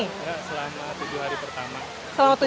enggak selama tujuh hari pertama